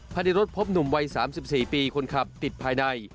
ภายในรถพบหนุ่มวัย๓๔ปีคนขับติดภายใน